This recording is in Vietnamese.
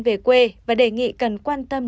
về quê và đề nghị cần quan tâm